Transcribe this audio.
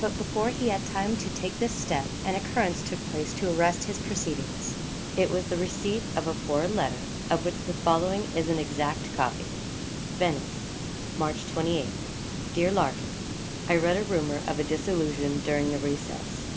But before he had time to take this step, an occurrence took place to arrest his proceedings. It was the receipt of a foreign letter, of which the following is an exact copy: 'VENICE: March 28. 'DEAR LARKIN, I read a rumour of a dissolution during the recess.